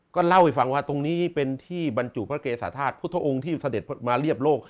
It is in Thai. ก็เล่าให้ฟังว่าตรงนี้เป็นที่บรรจุพระเกษาธาตุพุทธองค์ที่เสด็จมาเรียบโลก